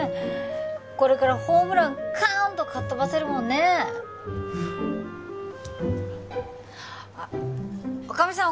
これからホームランカーンとかっ飛ばせるもんねあっ女将さん